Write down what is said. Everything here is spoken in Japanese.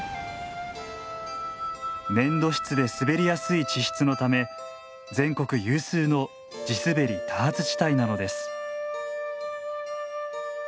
粘土質で滑りやすい地質のため全国有数の地滑り多発地帯なのです。